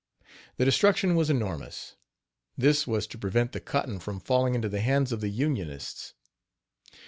The destruction was enormous. This was to prevent the cotton from falling into the hands of the Unionists.